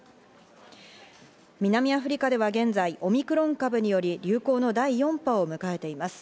南アフリカでは現在、オミクロン株により流行の第４波を迎えています。